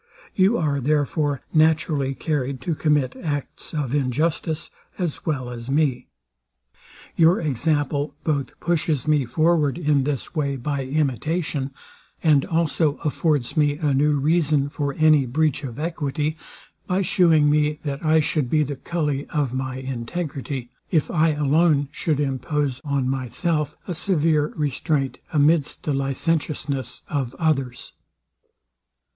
You are, therefore, naturally carried to commit acts of injustice as well as me. Your example both pushes me forward in this way by imitation, and also affords me a new reason for any breach of equity, by shewing me, that I should be the cully of my integrity, if I alone should impose on myself a severe restraint amidst the licentiousness of others.